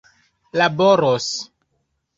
laboros